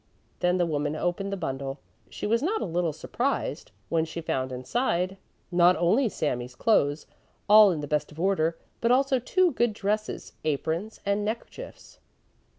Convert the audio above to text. Then the woman opened the bundle. She was not a little surprised, when she found inside not only Sami's clothes, all in the best of order, but also two good dresses, aprons and neckerchiefs.